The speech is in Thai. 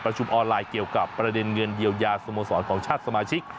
ออนไลน์เกี่ยวกับประเด็นเงินเยียวยาสโมสรของชาติสมาชิก